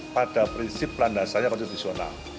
pada prinsip landasannya produksional